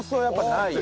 ない。